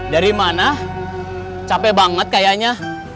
dari mana capek banget kayaknya